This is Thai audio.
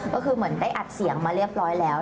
ก็คือเหมือนได้อัดเสียงมาเรียบร้อยแล้ว